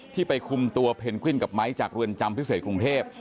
ไปคุมตัวเพนกวินกับไม้จากเรือนจำพิเศษกรุงเทพ